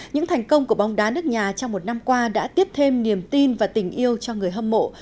những thành công của bóng đá nước nhà trong một năm qua đã tiếp thêm niềm tin và tình yêu cho người hâm mộ